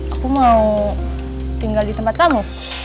aku mau tinggal di tempat kamu